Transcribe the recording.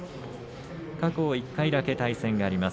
過去１回だけ対戦があります。